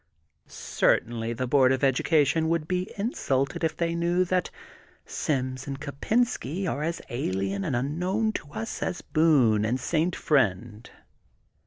Certainly the Board of Edu cation would be insulted if they knew that Sims and Kopensky are as alien and unknown to us as are Boone and Saint Friend.